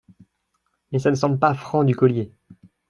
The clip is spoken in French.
mais ça ne semble pas franc du collier